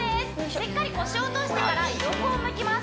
しっかり腰を落としてから横を向きます